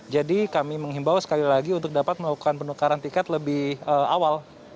jadi kami menghimbau sekali lagi untuk dapat melakukan penukaran tiket lebih awal